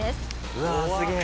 うわあすげえ！